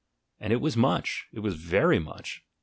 and it was much! it was very much!